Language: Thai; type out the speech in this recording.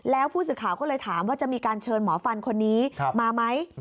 แล้วผู้สื่อข่าวก็เลยถามว่าจะมีการเชิญหมอฟันคนนี้มาไหม